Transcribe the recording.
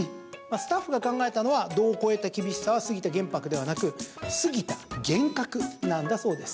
スタッフが考えたのは度を超えた厳しさは杉田玄白ではなくすぎた、厳格なんだそうです。